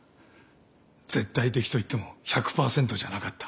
絶対的といっても１００％じゃなかった。